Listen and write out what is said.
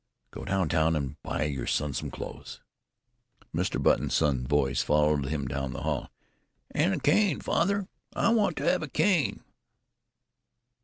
"Go down town and buy your son some clothes." Mr. Button's son's voice followed him down into the hall: "And a cane, father. I want to have a cane."